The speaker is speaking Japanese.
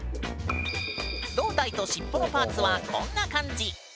胴体と尻尾のパーツはこんな感じ。